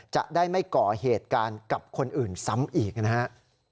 จะได้ไม่ก่อเหตุการณ์กับคนอื่นซ้ำอีกนะครับ